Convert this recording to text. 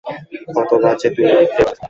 কত বাজে তুমি, ডেভলিন।